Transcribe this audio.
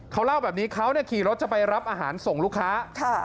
เขาเล่าแบบนี้เขาขี่รถจะไปรับอาหารส่งลูกค้า